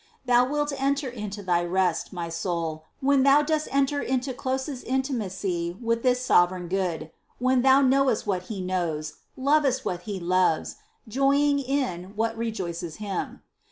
Thou wilt enter into thy rest, my soul, when thou dost enter into closest intimacy with this Sovereign Good, when thou knowest what He knows, lovest what He loves, joying in what rejoices Him.